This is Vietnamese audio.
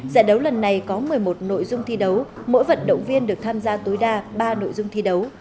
giải đấu lần này có một mươi một nội dung thi đấu mỗi vận động viên được tham gia tối đa ba nội dung thi đấu